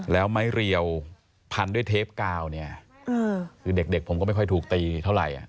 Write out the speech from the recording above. แล้วไม้เรียวพันด้วยเทปกาวเนี่ยคือเด็กผมก็ไม่ค่อยถูกตีเท่าไหร่